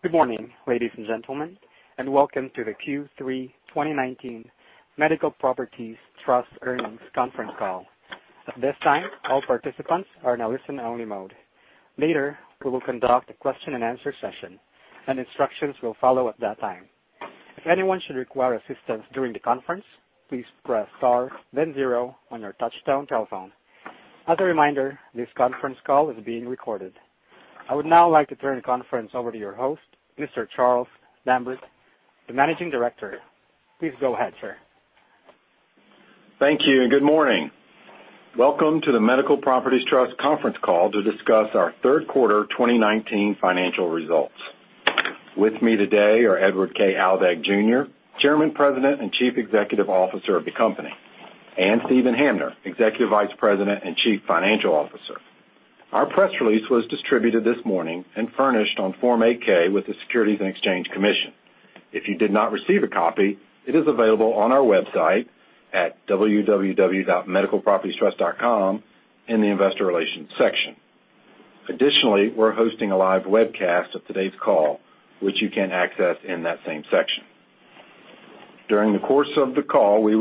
Good morning, ladies and gentlemen. Welcome to the Q3 2019 Medical Properties Trust Earnings Conference Call. At this time, all participants are in listen-only mode. Later, we will conduct a question and answer session. Instructions will follow at that time. If anyone should require assistance during the conference, please press star then zero on your touch-tone telephone. As a reminder, this conference call is being recorded. I would now like to turn the conference over to your host, Mr. Charles Lambert, the Managing Director. Please go ahead, sir. Thank you and good morning. Welcome to the Medical Properties Trust conference call to discuss our third quarter 2019 financial results. With me today are Edward K. Aldag, Jr., Chairman, President, and Chief Executive Officer of the company, and Steven Hamner, Executive Vice President and Chief Financial Officer. Our press release was distributed this morning and furnished on Form 8-K with the Securities and Exchange Commission. If you did not receive a copy, it is available on our website at www.medicalpropertiestrust.com in the investor relations section. Additionally, we're hosting a live webcast of today's call, which you can access in that same section. During the course of the call, we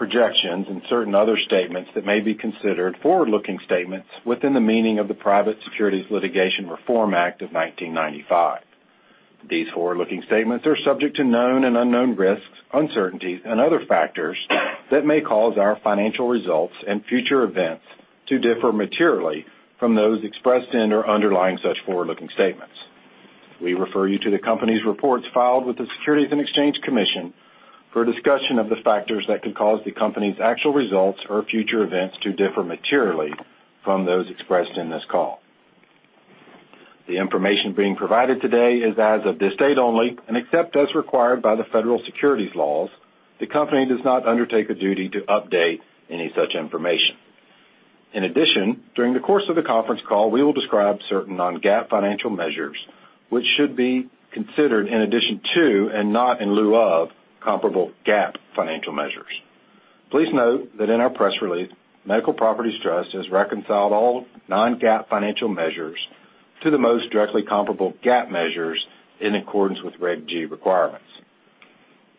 will make projections and certain other statements that may be considered forward-looking statements within the meaning of the Private Securities Litigation Reform Act of 1995. These forward-looking statements are subject to known and unknown risks, uncertainties, and other factors that may cause our financial results and future events to differ materially from those expressed in or underlying such forward-looking statements. We refer you to the company's reports filed with the Securities and Exchange Commission for a discussion of the factors that could cause the company's actual results or future events to differ materially from those expressed in this call. The information being provided today is as of this date only, and except as required by the federal securities laws, the company does not undertake a duty to update any such information. In addition, during the course of the conference call, we will describe certain non-GAAP financial measures, which should be considered in addition to, and not in lieu of, comparable GAAP financial measures. Please note that in our press release, Medical Properties Trust has reconciled all non-GAAP financial measures to the most directly comparable GAAP measures in accordance with Reg G requirements.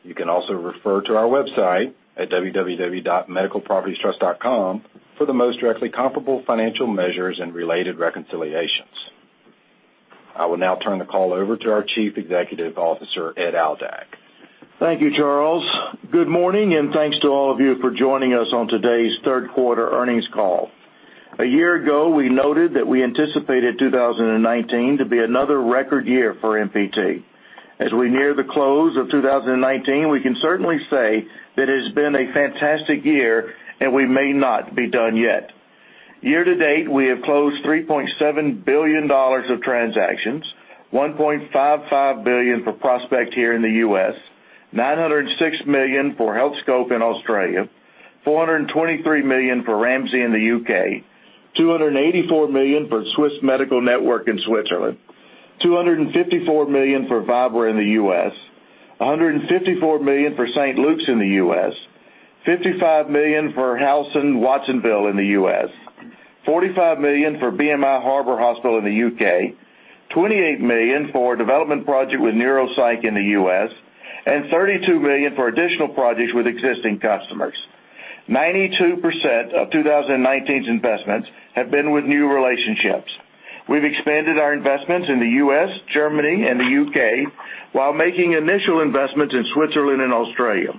You can also refer to our website at www.medicalpropertiestrust.com for the most directly comparable financial measures and related reconciliations. I will now turn the call over to our Chief Executive Officer, Ed Aldag. Thank you, Charles. Good morning, and thanks to all of you for joining us on today's third quarter earnings call. A year ago, we noted that we anticipated 2019 to be another record year for MPT. As we near the close of 2019, we can certainly say that it has been a fantastic year, and we may not be done yet. Year to date, we have closed $3.7 billion of transactions, $1.55 billion for Prospect here in the U.S., $906 million for Healthscope in Australia, $423 million for Ramsay in the U.K., $284 million for Swiss Medical Network in Switzerland, $254 million for Vibra in the U.S., $154 million for St. Luke's in the U.S., $55 million for Halsen Watsonville in the U.S., $45 million for BMI Harbour Hospital in the U.K., $28 million for a development project with NeuroPsych in the U.S., and $32 million for additional projects with existing customers. 92% of 2019's investments have been with new relationships. We've expanded our investments in the U.S., Germany, and the U.K. while making initial investments in Switzerland and Australia.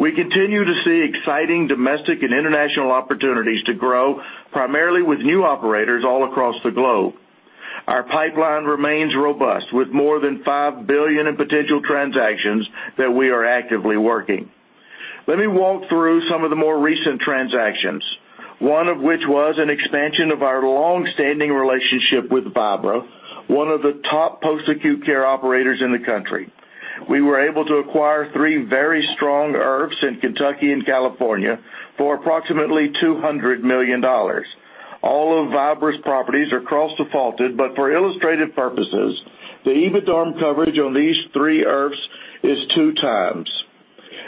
We continue to see exciting domestic and international opportunities to grow, primarily with new operators all across the globe. Our pipeline remains robust with more than $5 billion in potential transactions that we are actively working. Let me walk through some of the more recent transactions, one of which was an expansion of our long-standing relationship with Vibra, one of the top post-acute care operators in the country. We were able to acquire three very strong IRFs in Kentucky and California for approximately $200 million. All of Vibra's properties are cross-defaulted, but for illustrative purposes, the EBITDA coverage on these three IRFs is two times.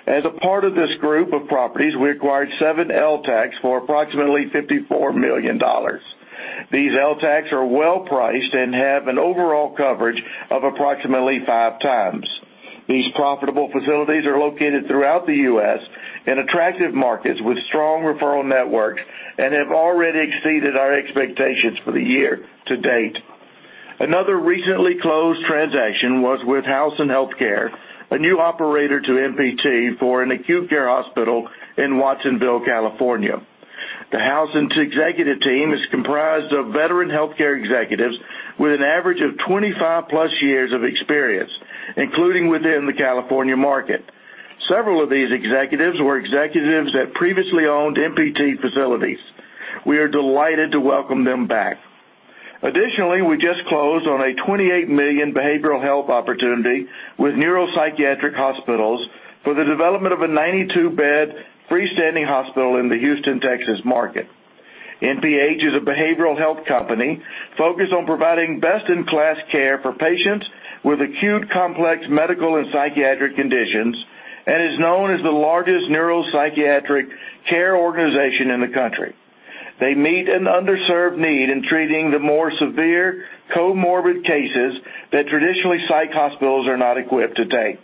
As a part of this group of properties, we acquired seven LTACs for approximately $54 million. These LTACs are well priced and have an overall coverage of approximately five times. These profitable facilities are located throughout the U.S. in attractive markets with strong referral networks and have already exceeded our expectations for the year to date. Another recently closed transaction was with Halsen Healthcare, a new operator to MPT for an acute care hospital in Watsonville, California. The Halsen executive team is comprised of veteran healthcare executives with an average of 25-plus years of experience, including within the California market. Several of these executives were executives that previously owned MPT facilities. We are delighted to welcome them back. Additionally, we just closed on a $28 million behavioral health opportunity with NeuroPsychiatric Hospitals for the development of a 92-bed freestanding hospital in the Houston, Texas market. NPH is a behavioral health company focused on providing best-in-class care for patients with acute complex medical and psychiatric conditions and is known as the largest neuropsychiatric care organization in the country. They meet an underserved need in treating the more severe comorbid cases that traditionally, psych hospitals are not equipped to take.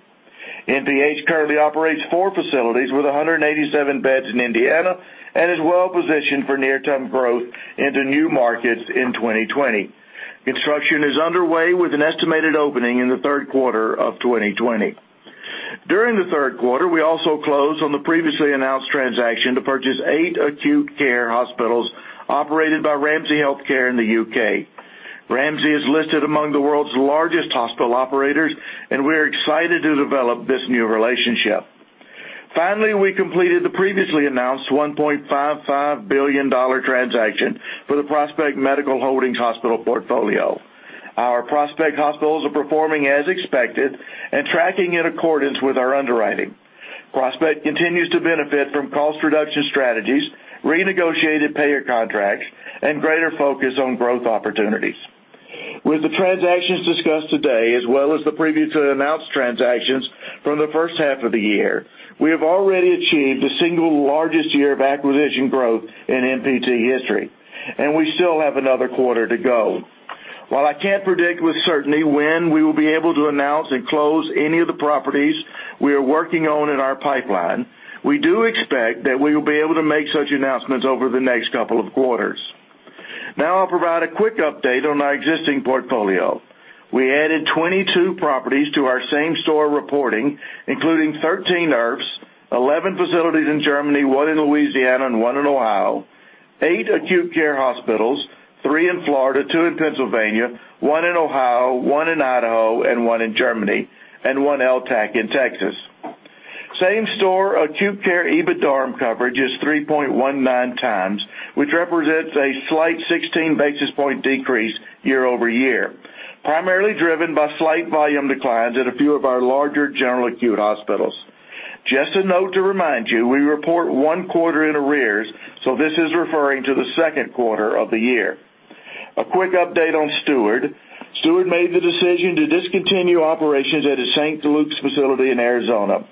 NPH currently operates four facilities with 187 beds in Indiana, and is well positioned for near-term growth into new markets in 2020. Construction is underway with an estimated opening in the third quarter of 2020. During the third quarter, we also closed on the previously announced transaction to purchase eight acute care hospitals operated by Ramsay Health Care in the U.K. Ramsay is listed among the world's largest hospital operators, and we are excited to develop this new relationship. Finally, we completed the previously announced $1.55 billion transaction for the Prospect Medical Holdings hospital portfolio. Our Prospect hospitals are performing as expected and tracking in accordance with our underwriting. Prospect continues to benefit from cost reduction strategies, renegotiated payer contracts, and greater focus on growth opportunities. With the transactions discussed today, as well as the previously announced transactions from the first half of the year, we have already achieved the single largest year of acquisition growth in MPT history, and we still have another quarter to go. While I can't predict with certainty when we will be able to announce and close any of the properties we are working on in our pipeline, we do expect that we will be able to make such announcements over the next couple of quarters. I'll provide a quick update on our existing portfolio. We added 22 properties to our same-store reporting, including 13 IRFs, 11 facilities in Germany, one in Louisiana, and one in Ohio, eight acute care hospitals, three in Florida, two in Pennsylvania, one in Ohio, one in Idaho, and one in Germany, and one LTAC in Texas. Same-store acute care EBITDARM coverage is 3.19 times, which represents a slight 16 basis point decrease year-over-year, primarily driven by slight volume declines at a few of our larger general acute hospitals. Just a note to remind you, we report one quarter in arrears, this is referring to the second quarter of the year. A quick update on Steward. Steward made the decision to discontinue operations at its St. Luke's facility in Arizona.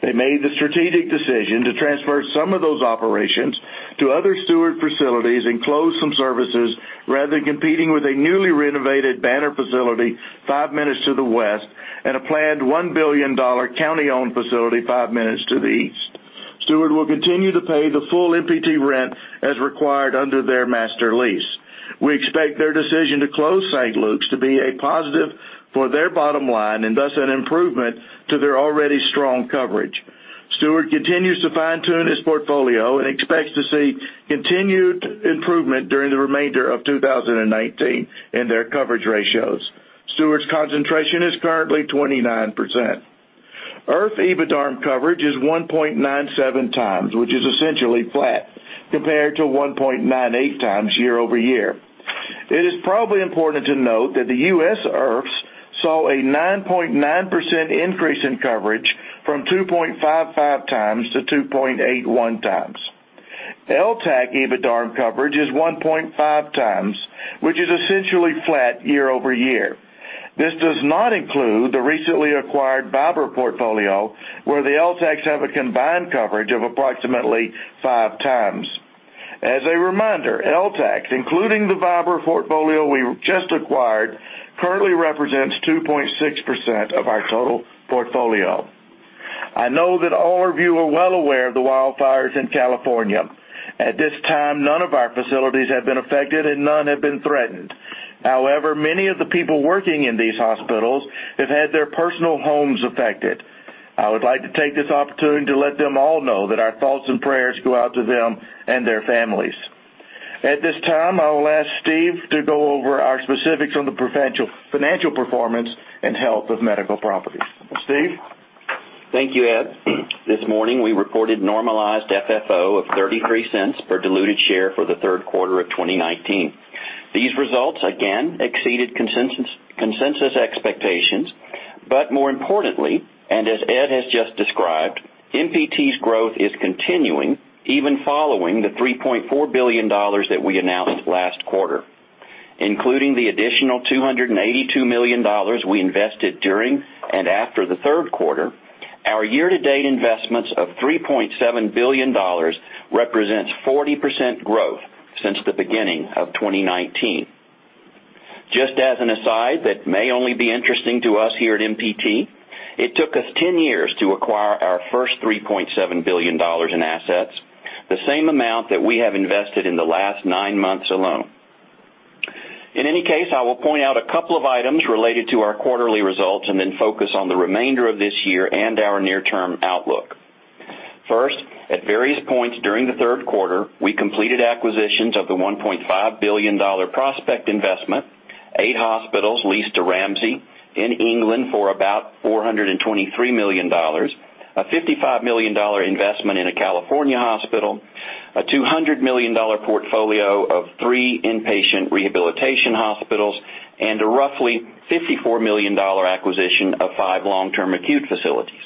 They made the strategic decision to transfer some of those operations to other Steward facilities and close some services, rather than competing with a newly renovated Banner facility five minutes to the west and a planned $1 billion county-owned facility five minutes to the east. Steward will continue to pay the full MPT rent as required under their master lease. We expect their decision to close St. Luke's to be a positive for their bottom line and thus an improvement to their already strong coverage. Steward continues to fine-tune its portfolio and expects to see continued improvement during the remainder of 2019 in their coverage ratios. Steward's concentration is currently 29%. IRF EBITDARM coverage is 1.97 times, which is essentially flat compared to 1.98 times year-over-year. It is probably important to note that the U.S. IRFs saw a 9.9% increase in coverage from 2.55 times to 2.81 times. LTAC EBITDARM coverage is 1.5 times, which is essentially flat year-over-year. This does not include the recently acquired Vibra portfolio, where the LTACs have a combined coverage of approximately five times. As a reminder, LTACs, including the Vibra portfolio we just acquired, currently represents 2.6% of our total portfolio. I know that all of you are well aware of the wildfires in California. At this time, none of our facilities have been affected and none have been threatened. Many of the people working in these hospitals have had their personal homes affected. I would like to take this opportunity to let them all know that our thoughts and prayers go out to them and their families. At this time, I will ask Steve to go over our specifics on the financial performance and health of Medical Properties Trust. Steve? Thank you, Ed. This morning, we reported normalized FFO of $0.33 per diluted share for the third quarter of 2019. These results again exceeded consensus expectations, but more importantly, and as Ed has just described, MPT's growth is continuing even following the $3.4 billion that we announced last quarter. Including the additional $282 million we invested during and after the third quarter, our year-to-date investments of $3.7 billion represents 40% growth since the beginning of 2019. Just as an aside that may only be interesting to us here at MPT, it took us 10 years to acquire our first $3.7 billion in assets, the same amount that we have invested in the last nine months alone. In any case, I will point out a couple of items related to our quarterly results and then focus on the remainder of this year and our near-term outlook. First, at various points during the third quarter, we completed acquisitions of the $1.5 billion Prospect investment, eight hospitals leased to Ramsay in England for about $423 million, a $55 million investment in a California hospital, a $200 million portfolio of three inpatient rehabilitation hospitals, and a roughly $54 million acquisition of five long-term acute facilities.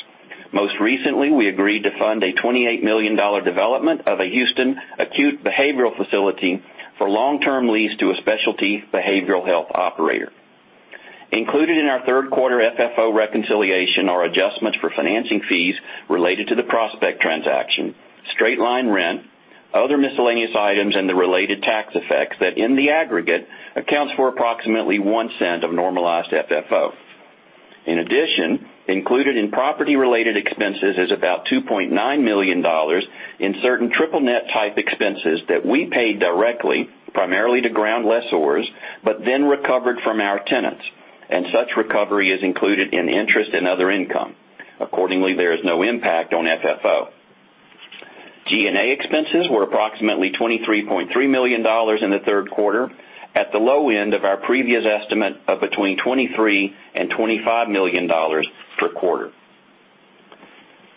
Most recently, we agreed to fund a $28 million development of a Houston acute behavioral facility for long-term lease to a specialty behavioral health operator. Included in our third quarter FFO reconciliation are adjustments for financing fees related to the Prospect transaction, straight-line rent, other miscellaneous items, and the related tax effects that, in the aggregate, accounts for approximately $0.01 of normalized FFO. In addition, included in property-related expenses is about $2.9 million in certain triple net type expenses that we paid directly, primarily to ground lessors, then recovered from our tenants, and such recovery is included in interest and other income. Accordingly, there is no impact on FFO. G&A expenses were approximately $23.3 million in the third quarter at the low end of our previous estimate of between $23 million and $25 million per quarter.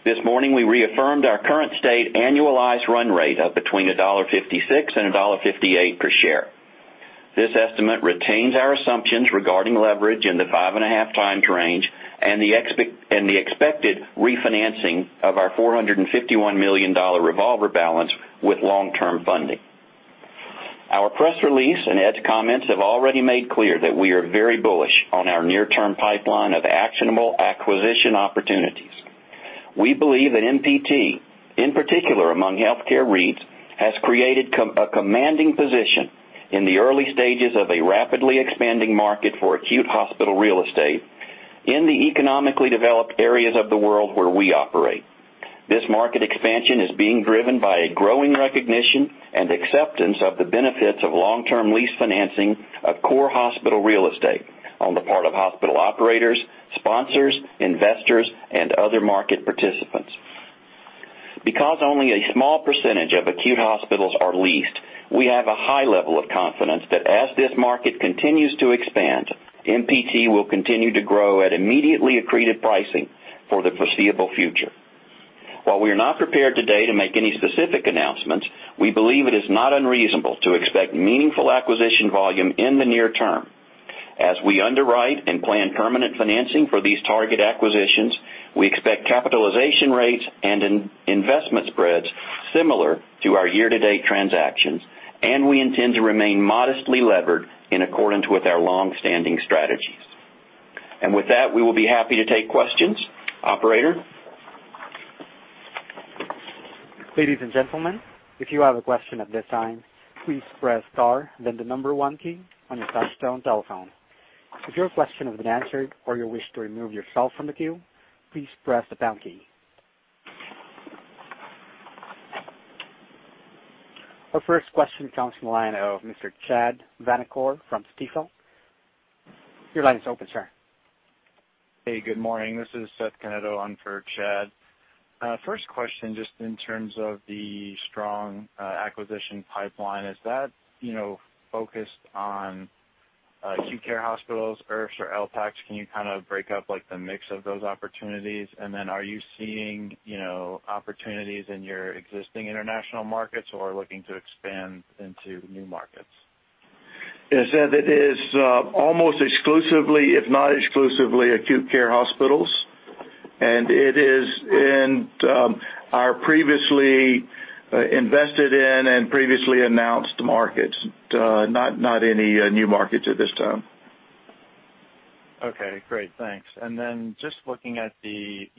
This morning, we reaffirmed our current state annualized run rate of between $1.56 and $1.58 per share. This estimate retains our assumptions regarding leverage in the 5.5 times range and the expected refinancing of our $451 million revolver balance with long-term funding. Our press release and Ed's comments have already made clear that we are very bullish on our near-term pipeline of actionable acquisition opportunities. We believe that MPT, in particular among healthcare REITs, has created a commanding position in the early stages of a rapidly expanding market for acute hospital real estate in the economically developed areas of the world where we operate. This market expansion is being driven by a growing recognition and acceptance of the benefits of long-term lease financing of core hospital real estate on the part of hospital operators, sponsors, investors, and other market participants. Because only a small % of acute hospitals are leased, we have a high level of confidence that as this market continues to expand, MPT will continue to grow at immediately accreted pricing for the foreseeable future. While we are not prepared today to make any specific announcements, we believe it is not unreasonable to expect meaningful acquisition volume in the near term. As we underwrite and plan permanent financing for these target acquisitions, we expect capitalization rates and investment spreads similar to our year-to-date transactions, and we intend to remain modestly levered in accordance with our longstanding strategies. With that, we will be happy to take questions. Operator? Ladies and gentlemen, if you have a question at this time, please press star, then the number 1 key on your touchtone telephone. If your question has been answered or you wish to remove yourself from the queue, please press the pound key. Our first question comes from the line of Mr. Chad Vanacore from Stifel. Your line is open, sir. Good morning. This is Seth Canetto on for Chad. First question, just in terms of the strong acquisition pipeline, is that focused on acute care hospitals, IRFs, or LTACs? Can you kind of break up the mix of those opportunities? Then are you seeing opportunities in your existing international markets or looking to expand into new markets? Yeah, Seth, it is almost exclusively, if not exclusively, acute care hospitals, and it is in our previously invested in and previously announced markets. Not any new markets at this time. Okay, great. Thanks. Just looking at the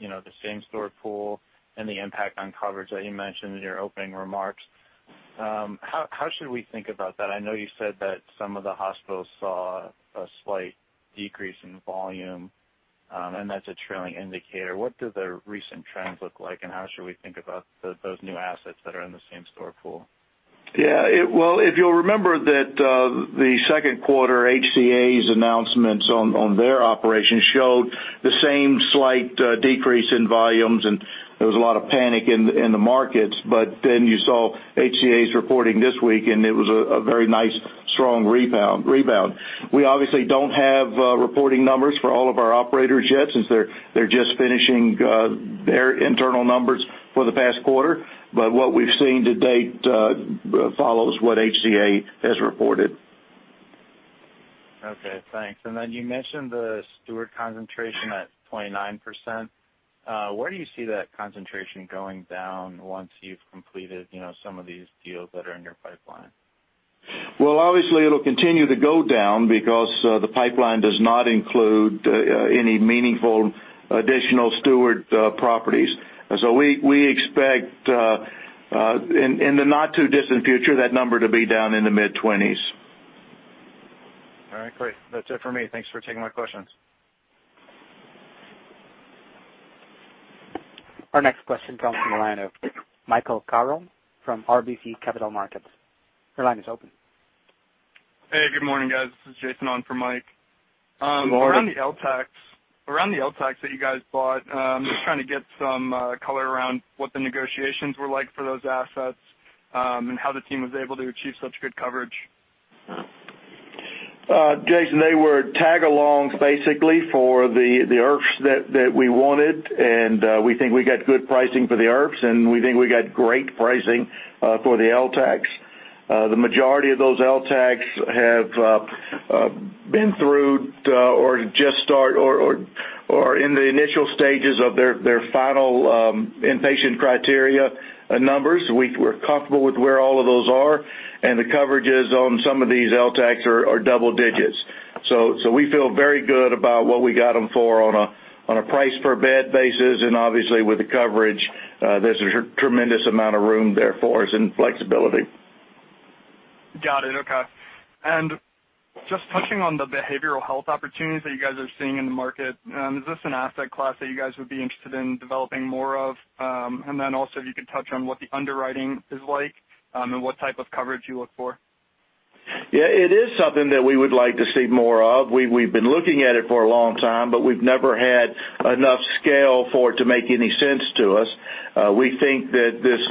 same-store pool and the impact on coverage that you mentioned in your opening remarks, how should we think about that? I know you said that some of the hospitals saw a slight decrease in volume, and that's a trailing indicator. What do the recent trends look like, and how should we think about those new assets that are in the same-store pool? Yeah. Well, if you'll remember that the second quarter HCA's announcements on their operations showed the same slight decrease in volumes, and there was a lot of panic in the markets, but then you saw HCA's reporting this week, and it was a very nice strong rebound. We obviously don't have reporting numbers for all of our operators yet, since they're just finishing their internal numbers for the past quarter. What we've seen to date follows what HCA has reported. Okay, thanks. You mentioned the Steward concentration at 29%. Where do you see that concentration going down once you've completed some of these deals that are in your pipeline? Well, obviously, it'll continue to go down because the pipeline does not include any meaningful additional Steward properties. We expect, in the not too distant future, that number to be down in the mid-20s. All right, great. That's it for me. Thanks for taking my questions. Our next question comes from the line of Michael Carroll from RBC Capital Markets. Your line is open. Hey, good morning, guys. This is Jason on for Mike. Good morning. Around the LTACs that you guys bought, I'm just trying to get some color around what the negotiations were like for those assets, and how the team was able to achieve such good coverage. Jason, they were tag-alongs basically for the IRFs that we wanted, and we think we got good pricing for the IRFs, and we think we got great pricing for the LTACs. The majority of those LTACs have been through. In the initial stages of their final in-patient criteria numbers. We're comfortable with where all of those are, and the coverages on some of these LTACs are double digits. We feel very good about what we got them for on a price per bed basis, and obviously with the coverage, there's a tremendous amount of room there for us and flexibility. Got it. Okay. Just touching on the behavioral health opportunities that you guys are seeing in the market, is this an asset class that you guys would be interested in developing more of? Also if you could touch on what the underwriting is like and what type of coverage you look for? Yeah, it is something that we would like to see more of. We've been looking at it for a long time, we've never had enough scale for it to make any sense to us. We think that this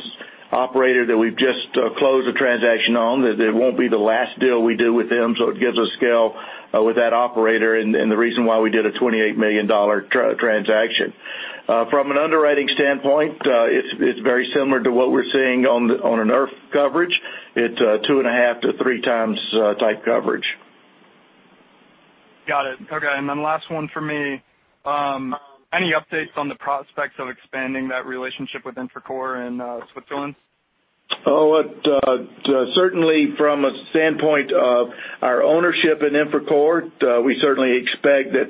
operator that we've just closed a transaction on, that it won't be the last deal we do with them, it gives us scale with that operator and the reason why we did a $28 million transaction. From an underwriting standpoint, it's very similar to what we're seeing on an IRF coverage. It's a two and a half to three times type coverage. Got it. Okay, last one for me. Any updates on the prospects of expanding that relationship with Infracore in Switzerland? Certainly from a standpoint of our ownership in Infracore, we certainly expect that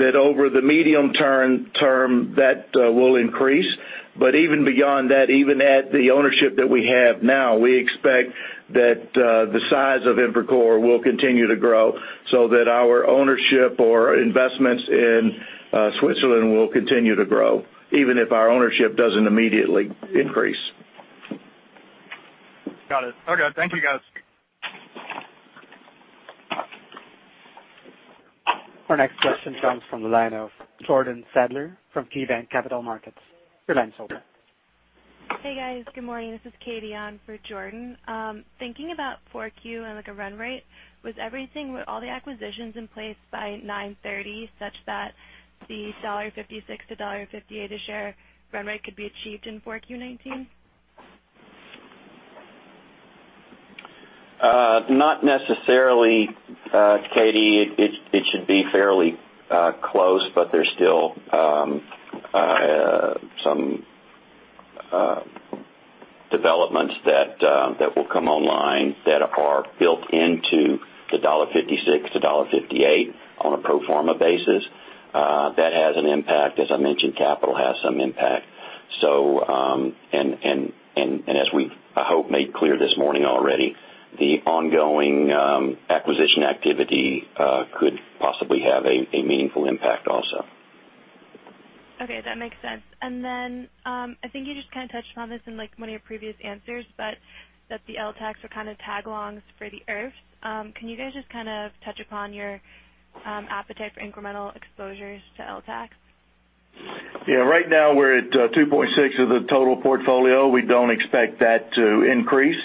over the medium term, that will increase. Even beyond that, even at the ownership that we have now, we expect that the size of Infracore will continue to grow so that our ownership or investments in Switzerland will continue to grow, even if our ownership doesn't immediately increase. Got it. Okay. Thank you, guys. Our next question comes from the line of Jordan Sadler from KeyBanc Capital Markets. Your line's open. Hey, guys. Good morning. This is Katie on for Jordan. Thinking about 4Q and like a run rate, was everything with all the acquisitions in place by 9/30 such that the $1.56-$1.58 a share run rate could be achieved in 4Q 2019? Not necessarily, Katie. It should be fairly close. There's still some developments that will come online that are built into the $1.56-$1.58 on a pro forma basis. That has an impact. As I mentioned, capital has some impact. As we've, I hope, made clear this morning already, the ongoing acquisition activity could possibly have a meaningful impact also. Okay, that makes sense. I think you just kind of touched on this in one of your previous answers, but that the LTACs are kind of tag-alongs for the IRFs. Can you guys just kind of touch upon your appetite for incremental exposures to LTACs? Yeah. Right now we're at 2.6 of the total portfolio. We don't expect that to increase.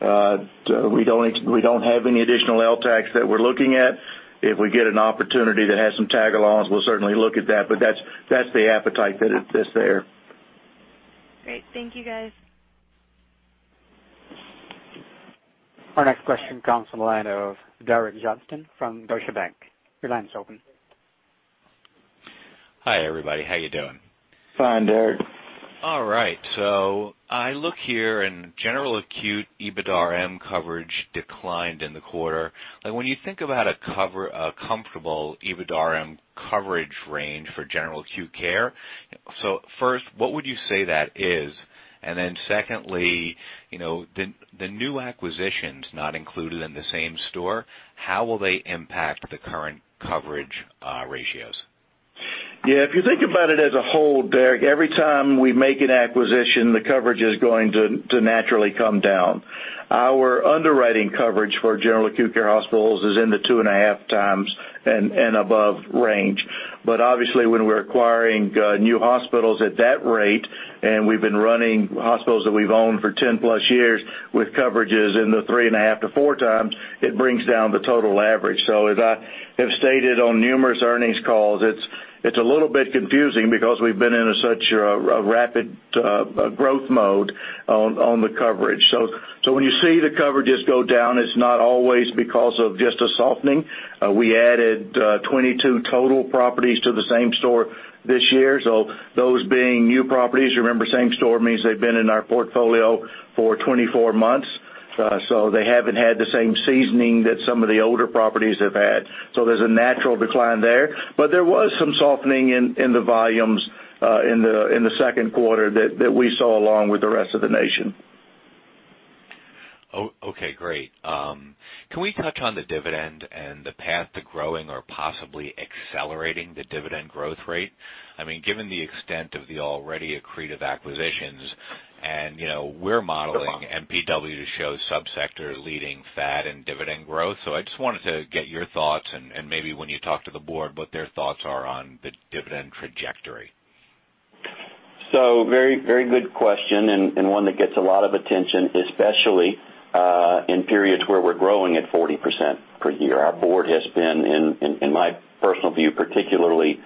We don't have any additional LTACs that we're looking at. If we get an opportunity that has some tag-alongs, we'll certainly look at that, but that's the appetite that's there. Great. Thank you, guys. Our next question comes from the line of Derek Johnston from Deutsche Bank. Your line is open. Hi, everybody. How you doing? Fine, Derek. All right. I look here and general acute EBITDARM coverage declined in the quarter. When you think about a comfortable EBITDARM coverage range for general acute care, so first, what would you say that is? Secondly, the new acquisitions not included in the same store, how will they impact the current coverage ratios? Yeah, if you think about it as a whole, Derek, every time we make an acquisition, the coverage is going to naturally come down. Our underwriting coverage for general acute care hospitals is in the two and a half times and above range. Obviously, when we're acquiring new hospitals at that rate, and we've been running hospitals that we've owned for 10 plus years with coverages in the three and a half to four times, it brings down the total average. As I have stated on numerous earnings calls, it's a little bit confusing because we've been in such a rapid growth mode on the coverage. When you see the coverages go down, it's not always because of just a softening. We added 22 total properties to the same store this year, those being new properties, you remember same store means they've been in our portfolio for 24 months. They haven't had the same seasoning that some of the older properties have had. There's a natural decline there. There was some softening in the volumes in the second quarter that we saw along with the rest of the nation. Okay, great. Can we touch on the dividend and the path to growing or possibly accelerating the dividend growth rate? Given the extent of the already accretive acquisitions and we're modeling MPW to show sub-sector leading AFFO and dividend growth. I just wanted to get your thoughts and maybe when you talk to the board, what their thoughts are on the dividend trajectory. Very good question and one that gets a lot of attention, especially in periods where we're growing at 40% per year. Our board has been, in my personal view, particularly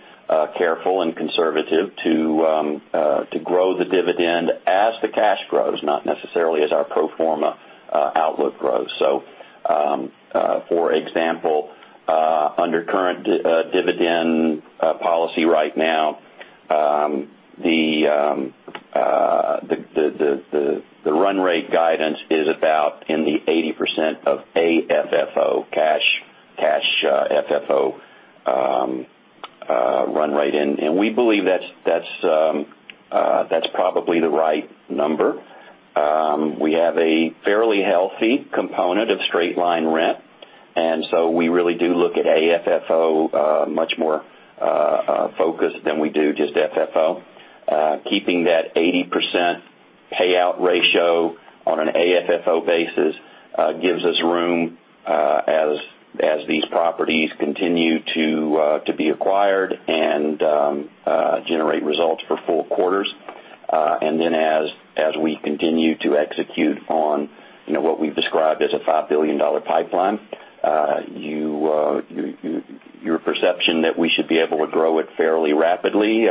careful and conservative to grow the dividend as the cash grows, not necessarily as our pro forma outlook grows. For example, under current dividend policy right now, the run rate guidance is about in the 80% of AFFO, cash AFFO run rate. We believe that's probably the right number. We have a fairly healthy component of straight line rent, and so we really do look at AFFO much more focused than we do just AFFO. Keeping that 80% payout ratio on an AFFO basis gives us room as these properties continue to be acquired and generate results for full quarters and as we continue to execute on what we've described as a $5 billion pipeline. Your perception that we should be able to grow it fairly rapidly,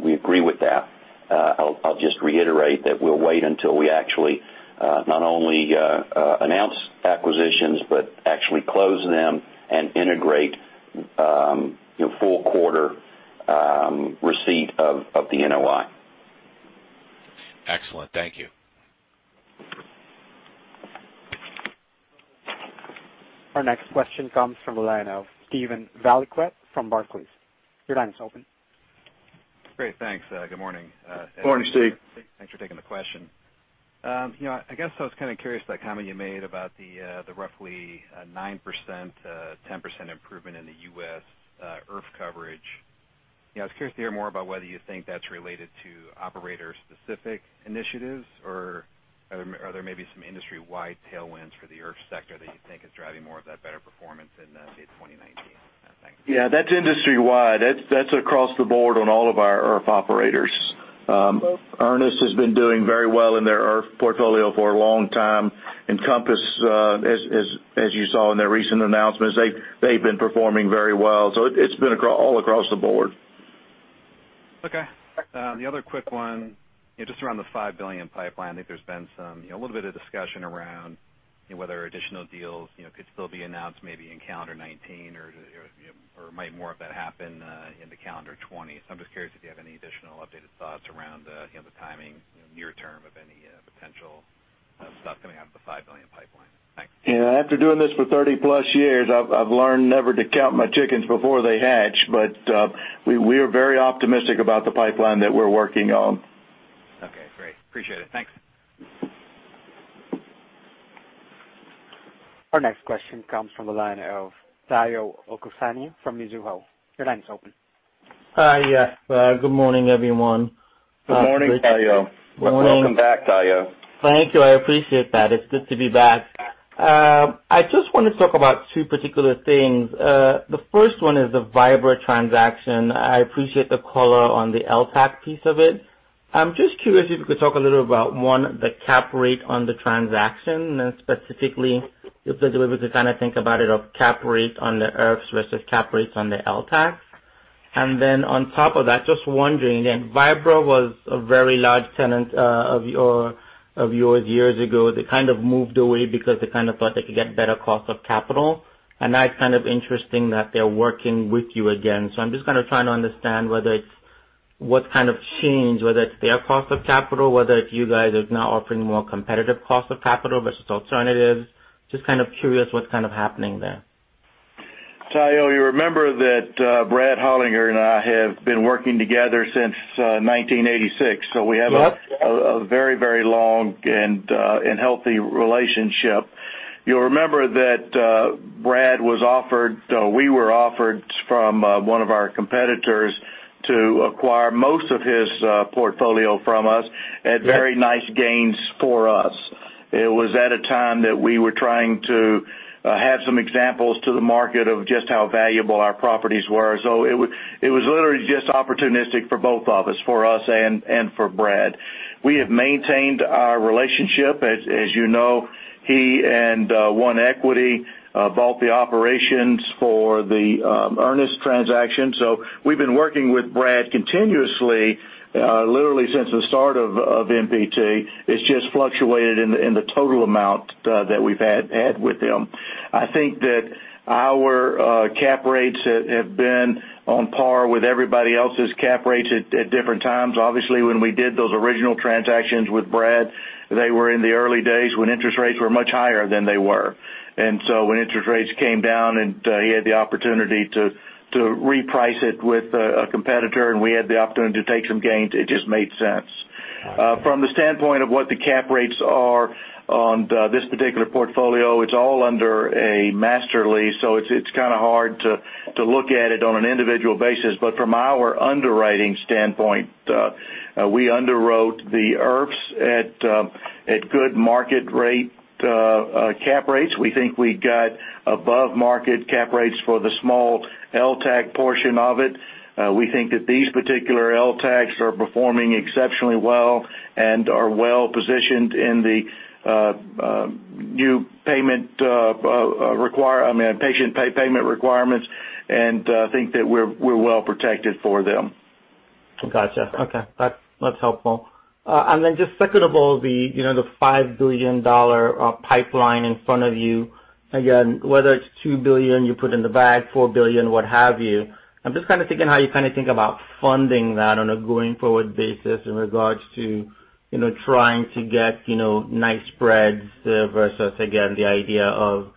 we agree with that. I'll just reiterate that we'll wait until we actually not only announce acquisitions, but actually close them and integrate full quarter receipt of the NOI. Excellent. Thank you. Our next question comes from the line of Steven Valiquette from Barclays. Your line is open. Great. Thanks. Good morning. Good morning, Steve. Thanks for taking the question. I guess I was kind of curious, that comment you made about the roughly 9%-10% improvement in the U.S. IRF coverage. I was curious to hear more about whether you think that's related to operator specific initiatives or are there maybe some industry-wide tailwinds for the IRF sector that you think is driving more of that better performance in 2019? Thanks. Yeah, that's industry-wide. That's across the board on all of our IRF operators. Ernest has been doing very well in their IRF portfolio for a long time. Encompass, as you saw in their recent announcements, they've been performing very well. It's been all across the board. The other quick one, just around the $5 billion pipeline. I think there's been a little bit of discussion around whether additional deals could still be announced maybe in calendar 2019 or might more of that happen into calendar 2020. I'm just curious if you have any additional updated thoughts around the timing, near term, of any potential stuff coming out of the $5 billion pipeline. Thanks. After doing this for 30 plus years, I've learned never to count my chickens before they hatch, but we are very optimistic about the pipeline that we're working on. Okay, great. Appreciate it. Thanks. Our next question comes from the line of Omotayo Okusanya from Mizuho. Your line is open. Hi. Good morning, everyone. Good morning, Tayo. Good morning. Welcome back, Tayo. Thank you. I appreciate that. It's good to be back. I just want to talk about two particular things. The first one is the Vibra transaction. I appreciate the color on the LTAC piece of it. I'm just curious if you could talk a little about, one, the cap rate on the transaction, and specifically if the delivery to kind of think about it, of cap rate on the IRFs versus cap rates on the LTACs. Then on top of that, just wondering, and Vibra was a very large tenant of yours years ago. They kind of moved away because they kind of thought they could get better cost of capital. Now it's kind of interesting that they're working with you again. I'm just kind of trying to understand what's kind of changed, whether it's their cost of capital, whether it's you guys are now offering more competitive cost of capital versus alternatives. Just kind of curious what's kind of happening there. Tayo, you remember that Brad Hollinger and I have been working together since 1986. Yep. We have a very long and healthy relationship. You'll remember that we were offered from one of our competitors to acquire most of his portfolio from us at very nice gains for us. It was at a time that we were trying to have some examples to the market of just how valuable our properties were. It was literally just opportunistic for both of us, for us and for Brad. We have maintained our relationship. As you know, he and One Equity Partners bought the operations for the Ernest Health transaction. We've been working with Brad continuously, literally since the start of MPT. It's just fluctuated in the total amount that we've had with him. I think that our cap rates have been on par with everybody else's cap rates at different times. Obviously, when we did those original transactions with Brad, they were in the early days when interest rates were much higher than they were. When interest rates came down and he had the opportunity to reprice it with a competitor, and we had the opportunity to take some gains, it just made sense. From the standpoint of what the cap rates are on this particular portfolio, it's all under a master lease, so it's kind of hard to look at it on an individual basis. From our underwriting standpoint, we underwrote the IRFs at good market rate cap rates. We think we got above market cap rates for the small LTAC portion of it. We think that these particular LTACs are performing exceptionally well and are well-positioned in the new patient payment requirements, and think that we're well protected for them. Gotcha. Okay. That's helpful. Just second of all, the $5 billion pipeline in front of you, again, whether it's $2 billion you put in the bag, $4 billion, what have you, I'm just kind of thinking how you think about funding that on a going forward basis in regards to trying to get nice spreads versus, again, the idea of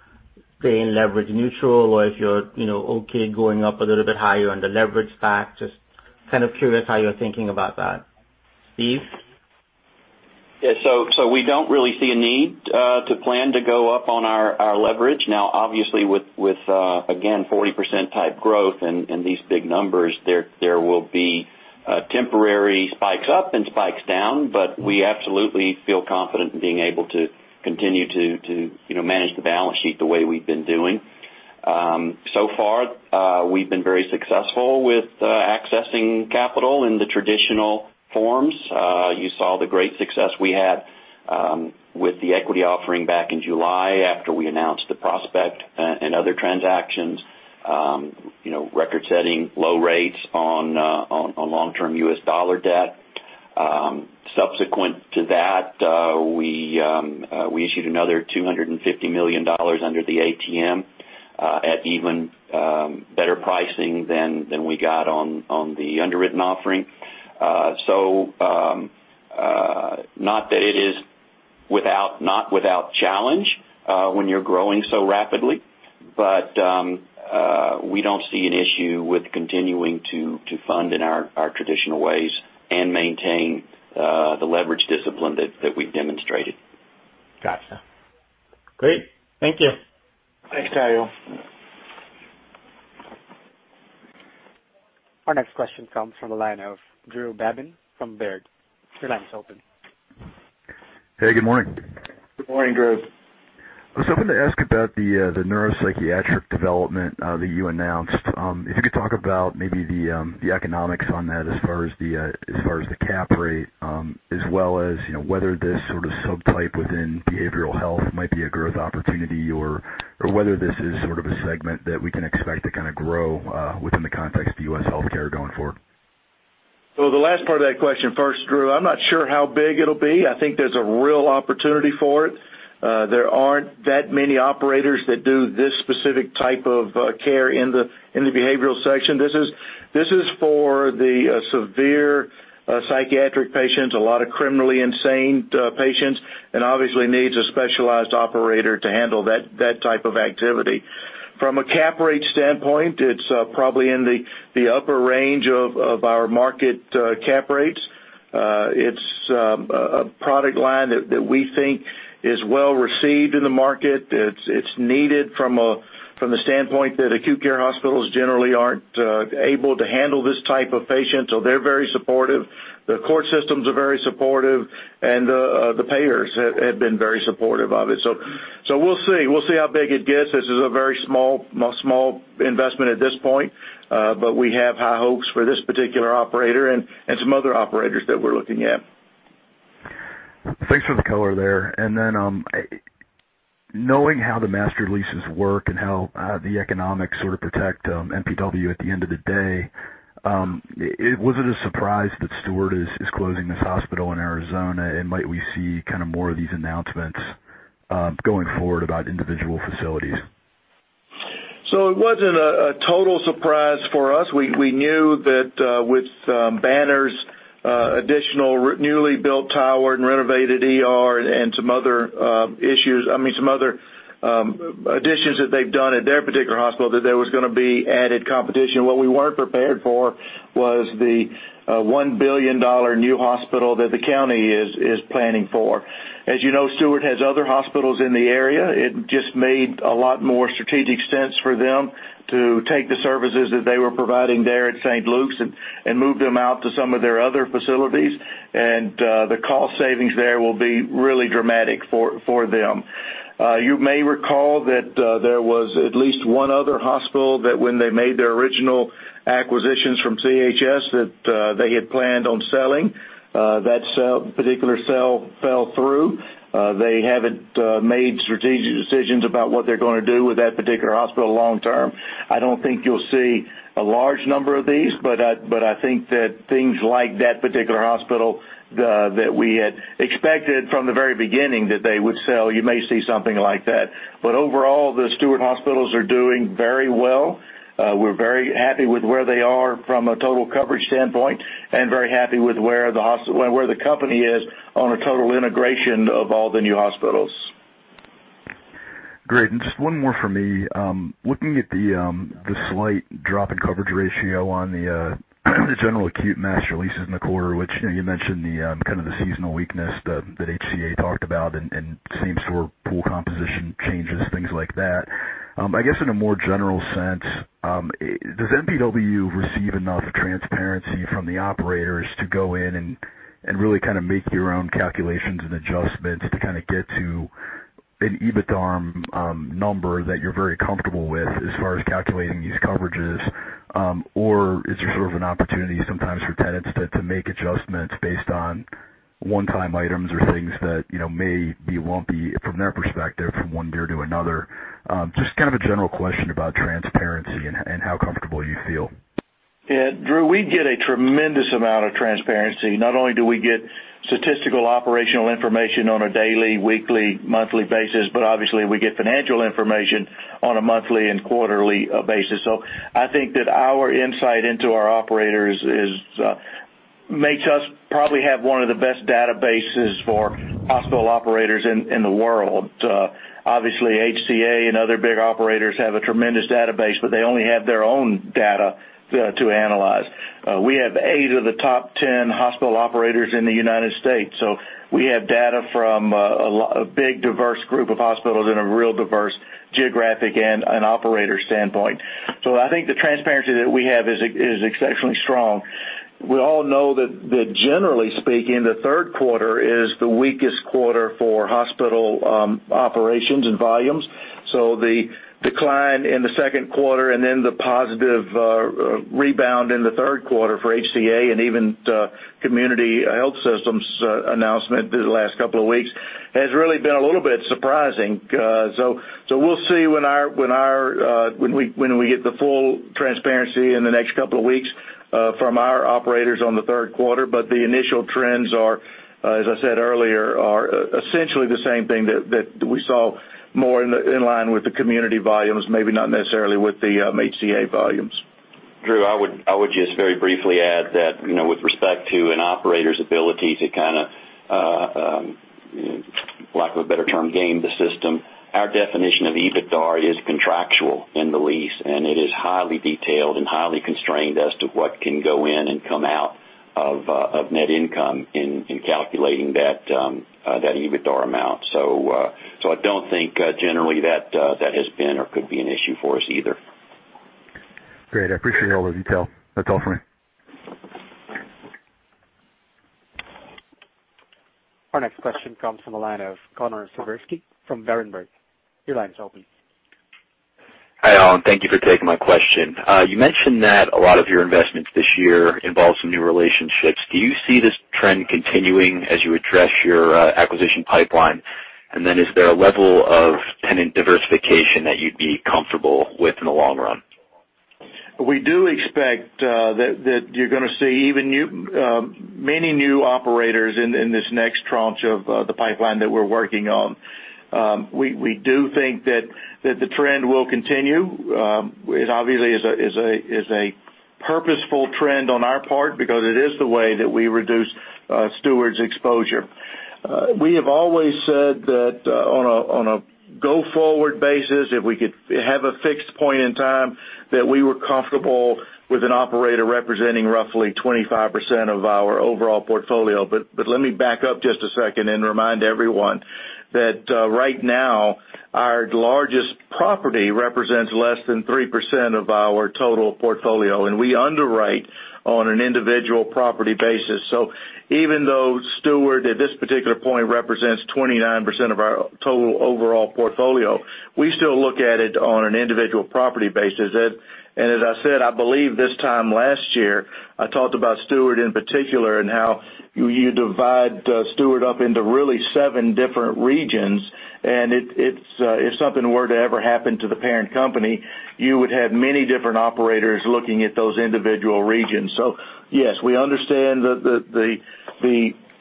staying leverage neutral or if you're okay going up a little bit higher on the leverage stack, just kind of curious how you're thinking about that. Steve? Yeah. We don't really see a need to plan to go up on our leverage. Now, obviously with, again, 40% type growth and these big numbers, there will be temporary spikes up and spikes down, but we absolutely feel confident in being able to continue to manage the balance sheet the way we've been doing. Far, we've been very successful with accessing capital in the traditional forms. You saw the great success we had with the equity offering back in July after we announced the Prospect and other transactions. Record-setting low rates on long-term US dollar debt. Subsequent to that, we issued another $250 million under the ATM at even better pricing than we got on the underwritten offering. Not without challenge when you're growing so rapidly, but we don't see an issue with continuing to fund in our traditional ways and maintain the leverage discipline that we've demonstrated. Gotcha. Great. Thank you. Thanks, Tayo. Our next question comes from the line of Drew Babin from Baird. Your line is open. Hey, good morning. Good morning, Drew. I was hoping to ask about the neuropsychiatric development that you announced. If you could talk about maybe the economics on that as far as the cap rate, as well as whether this sort of subtype within behavioral health might be a growth opportunity or whether this is sort of a segment that we can expect to kind of grow within the context of U.S. healthcare going forward? The last part of that question first, Drew. I'm not sure how big it'll be. I think there's a real opportunity for it. There aren't that many operators that do this specific type of care in the behavioral section. This is for the severe psychiatric patients, a lot of criminally insane patients, and obviously needs a specialized operator to handle that type of activity. From a cap rate standpoint, it's probably in the upper range of our market cap rates. It's a product line that we think is well received in the market. It's needed from the standpoint that acute care hospitals generally aren't able to handle this type of patient, they're very supportive. The court systems are very supportive, the payers have been very supportive of it. We'll see. We'll see how big it gets. This is a very small investment at this point. We have high hopes for this particular operator and some other operators that we're looking at. Thanks for the color there. Knowing how the master leases work and how the economics sort of protect MPW at the end of the day, was it a surprise that Steward is closing this hospital in Arizona? Might we see kind of more of these announcements going forward about individual facilities? It wasn't a total surprise for us. We knew that with Banner's additional newly built tower and renovated ER and some other additions that they've done at their particular hospital, that there was going to be added competition. We weren't prepared for was the $1 billion new hospital that the county is planning for. As you know, Steward has other hospitals in the area. It just made a lot more strategic sense for them to take the services that they were providing there at St. Luke's and move them out to some of their other facilities. The cost savings there will be really dramatic for them. You may recall that there was at least one other hospital that when they made their original acquisitions from CHS, that they had planned on selling. That particular sale fell through. They haven't made strategic decisions about what they're going to do with that particular hospital long term. I don't think you'll see a large number of these, but I think that things like that particular hospital that we had expected from the very beginning that they would sell, you may see something like that. But overall, the Steward hospitals are doing very well. We're very happy with where they are from a total coverage standpoint and very happy with where the company is on a total integration of all the new hospitals. Great. Just one more for me. Looking at the slight drop in coverage ratio on the general acute master leases in the quarter, which you mentioned the kind of the seasonal weakness that HCA talked about and same store pool composition changes, things like that. I guess in a more general sense, does MPW receive enough transparency from the operators to go in and really kind of make your own calculations and adjustments to kind of get to an EBITDARM number that you're very comfortable with as far as calculating these coverages? Is there sort of an opportunity sometimes for tenants to make adjustments based on one-time items or things that may be lumpy from their perspective from one year to another? Just kind of a general question about transparency and how comfortable you feel. Yeah, Drew, we get a tremendous amount of transparency. Not only do we get statistical operational information on a daily, weekly, monthly basis, but obviously we get financial information on a monthly and quarterly basis. I think that our insight into our operators makes us probably have one of the best databases for hospital operators in the world. Obviously, HCA and other big operators have a tremendous database, but they only have their own data to analyze. We have eight of the top 10 hospital operators in the U.S., we have data from a big, diverse group of hospitals in a real diverse geographic and operator standpoint. I think the transparency that we have is exceptionally strong. We all know that generally speaking, the third quarter is the weakest quarter for hospital operations and volumes. The decline in the second quarter and then the positive rebound in the third quarter for HCA and even Community Health Systems' announcement through the last couple of weeks has really been a little bit surprising. We'll see when we get the full transparency in the next couple of weeks from our operators on the third quarter. The initial trends are, as I said earlier, essentially the same thing that we saw more in line with the Community volumes, maybe not necessarily with the HCA volumes. Drew, I would just very briefly add that with respect to an operator's ability to kind of, lack of a better term, game the system, our definition of EBITDAR is contractual in the lease, and it is highly detailed and highly constrained as to what can go in and come out of net income in calculating that EBITDAR amount. I don't think generally that has been or could be an issue for us either. Great. I appreciate all the detail. That's all for me. Our next question comes from the line of Connor Siversky from Berenberg. Your line is open. Hi, Ed Aldag. Thank you for taking my question. You mentioned that a lot of your investments this year involve some new relationships. Do you see this trend continuing as you address your acquisition pipeline? Is there a level of tenant diversification that you'd be comfortable with in the long run? We do expect that you're going to see many new operators in this next tranche of the pipeline that we're working on. We do think that the trend will continue. It obviously is a purposeful trend on our part because it is the way that we reduce Steward's exposure. We have always said that on a go-forward basis, if we could have a fixed point in time, that we were comfortable with an operator representing roughly 25% of our overall portfolio. Let me back up just a second and remind everyone that right now our largest property represents less than 3% of our total portfolio, and we underwrite on an individual property basis. Even though Steward, at this particular point, represents 29% of our total overall portfolio, we still look at it on an individual property basis. As I said, I believe this time last year, I talked about Steward in particular and how you divide Steward up into really seven different regions. If something were to ever happen to the parent company, you would have many different operators looking at those individual regions. Yes, we understand the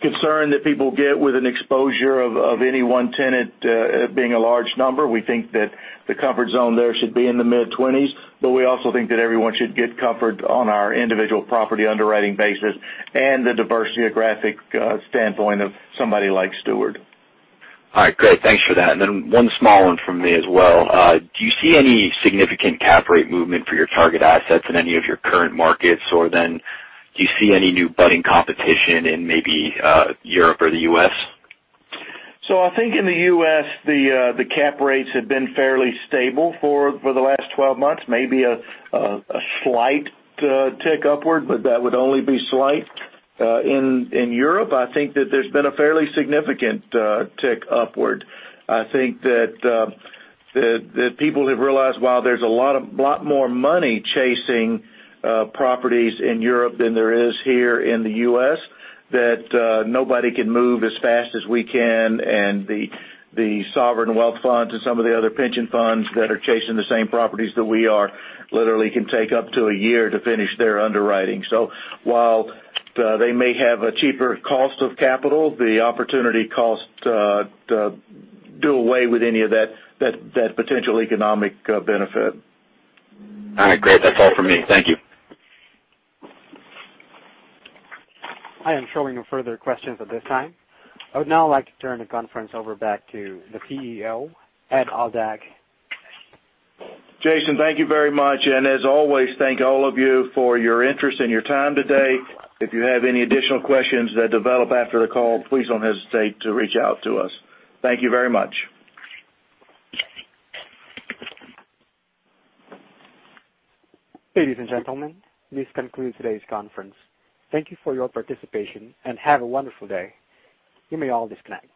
concern that people get with an exposure of any one tenant being a large number. We think that the comfort zone there should be in the mid-20s. We also think that everyone should get comfort on our individual property underwriting basis and the diverse geographic standpoint of somebody like Steward. All right, great. Thanks for that. One small one from me as well. Do you see any significant cap rate movement for your target assets in any of your current markets? Do you see any new budding competition in maybe Europe or the U.S.? I think in the U.S., the cap rates have been fairly stable for the last 12 months, maybe a slight tick upward, but that would only be slight. In Europe, I think that there's been a fairly significant tick upward. I think that people have realized while there's a lot more money chasing properties in Europe than there is here in the U.S., that nobody can move as fast as we can, and the sovereign wealth funds and some of the other pension funds that are chasing the same properties that we are literally can take up to a year to finish their underwriting. While they may have a cheaper cost of capital, the opportunity costs do away with any of that potential economic benefit. All right, great. That's all for me. Thank you. I am showing no further questions at this time. I would now like to turn the conference over back to the CEO, Ed Aldag. Jason, thank you very much. As always, thank all of you for your interest and your time today. If you have any additional questions that develop after the call, please don't hesitate to reach out to us. Thank you very much. Ladies and gentlemen, this concludes today's conference. Thank you for your participation and have a wonderful day. You may all disconnect.